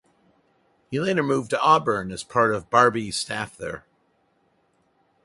He later moved to Auburn as part of Barbee's staff there.